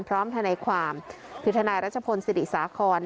พร้อมที่ในความผิวทนายรัชพลสิริสาคอน